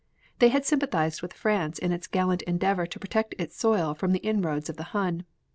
They had sympathized with France in its gallant endeavor to protect its soil from the inroads of the Hun.